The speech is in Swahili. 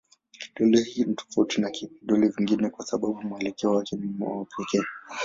Kidole hiki ni tofauti na vidole vingine kwa sababu mwelekeo wake ni wa pekee.